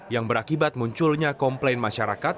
yang berakibat munculnya komplain masyarakat